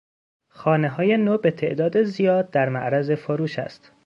خانههای نو به تعداد زیاد در معرض فروش است.